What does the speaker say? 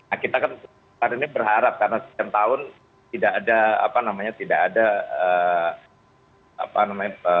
nah kita kan berharap karena sekian tahun tidak ada apa namanya tidak ada apa namanya